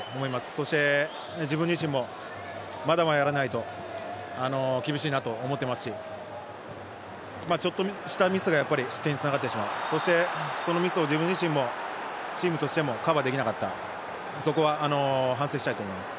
そして自分自身もまだまだやらないと厳しいなと思っていますしちょっとしたミスがやっぱり失点につながってしまう、そしてそのミスを、自分自身としてもチームとしてもカバーできなかったそこは反省したいと思います。